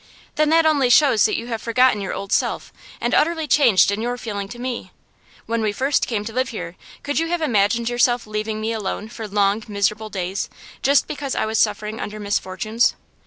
'Then that only shows that you have forgotten your old self, and utterly changed in your feeling to me. When we first came to live here could you have imagined yourself leaving me alone for long, miserable days, just because I was suffering under misfortunes?